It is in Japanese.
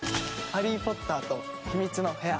『ハリー・ポッターと秘密の部屋』。